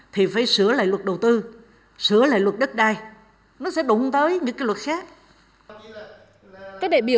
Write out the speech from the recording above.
thì phải sửa lại luật đầu tư sửa lại luật đất đai